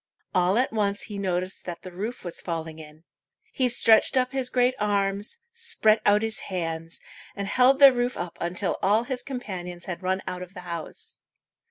All at once he noticed that the roof was falling in. He stretched up his great arms, spread out his hands, and held the roof up until all his companions had run out of the house.